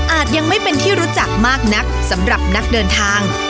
ยังไม่เป็นที่รู้จักมากนักสำหรับนักเดินทาง